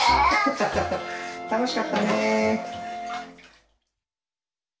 たのしかったね！